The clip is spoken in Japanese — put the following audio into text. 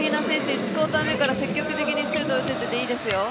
１クオーター目から積極的にシュート打てていていいですよ。